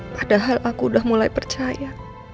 padahal aku udah mulai percaya